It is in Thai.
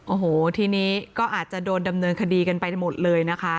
โอ้โหทีนี้ก็อาจจะโดนดำเนินคดีกันไปหมดเลยนะคะ